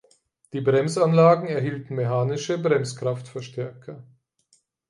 Die Bremsanlagen erhielten mechanische Bremskraftverstärker.